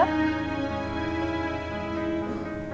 sama om baik juga